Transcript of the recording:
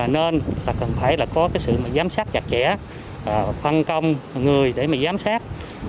nên cần phải có sự giám sát chặt chẽ phân công người để giám sát